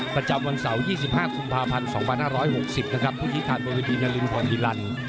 ประจำวันเสาร์๒๕คุมภาพันธ์๒๕๖๐นะครับผู้ยิคารบริวิธีนรินพรภิรรรณ